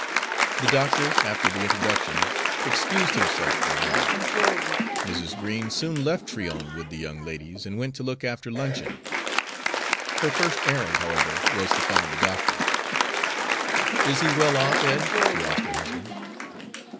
The doctor, after the introductions, excused himself for a moment. Mrs. Green soon left Tryon with the young ladies and went to look after luncheon. Her first errand, however, was to find the doctor. "Is he well off, Ed?" she asked her husband.